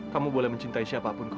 kamu boleh mencintai siapapun kok